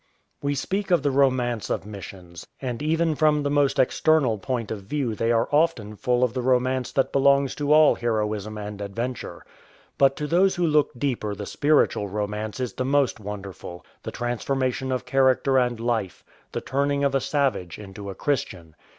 We speak of the romance of missions ; and even from 239 A SPIRITUAL ROMANCE the most external point of view they are often full of the romance that belongs to all heroism and adventure. But to those who look deeper the spiritual romance is the most wonderful — the transformation of character and life, the turning of a savage into a Christian.